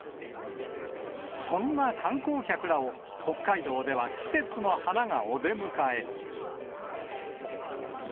そんな観光客らを北海道では季節の花がお出迎え。